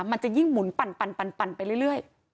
มันจะยิ่งหมุนปั่นไปเรื่อย